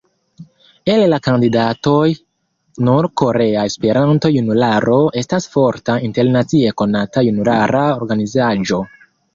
El la kandidatoj nur Korea Esperanto-Junularo estas forta, internacie konata junulara organizaĵo.